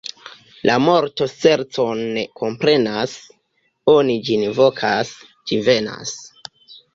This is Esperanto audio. La morto ŝercon ne komprenas: oni ĝin vokas, ĝi venas.